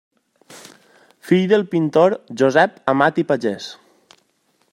Fill del pintor Josep Amat i Pagès.